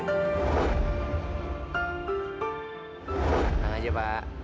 langsung aja pak